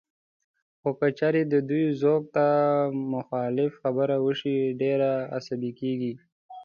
خو که چېرې د دوی ذوق ته مخالف خبره وشي، ډېر عصبي کېږي